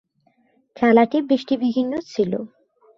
খেলাটি বৃষ্টিবিঘ্নিত ছিল।